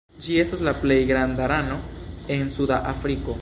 Ĝi estas la plej granda rano en Suda Afriko.